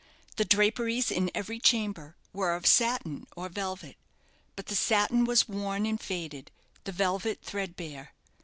The draperies in every chamber were of satin or velvet; but the satin was worn and faded, the velvet threadbare.